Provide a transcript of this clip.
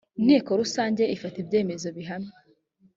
inteko rusange ifata ibyemezo bihamye